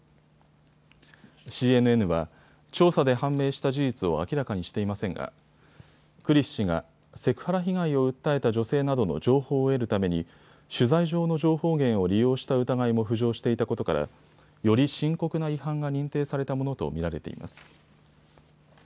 ＣＮＮは調査で判明した事実を明らかにしていませんがクリス氏がセクハラ被害を訴えた女性などの情報を得るために取材上の情報源を利用した疑いも浮上していたことからより深刻な違反が認定されたものと見られています。